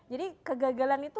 jadi kegagalan kita